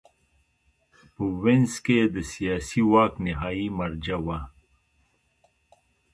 په وینز کې د سیاسي واک نهايي مرجع وه